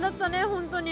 本当に。